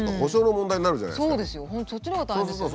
そっちのほうが大変ですよね。